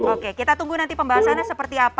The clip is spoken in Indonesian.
oke kita tunggu nanti pembahasannya seperti apa